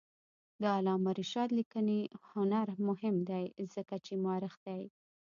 د علامه رشاد لیکنی هنر مهم دی ځکه چې مؤرخ دی.